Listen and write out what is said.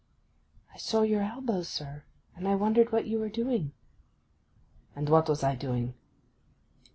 'I saw your elbow, sir; and I wondered what you were doing?' 'And what was I doing?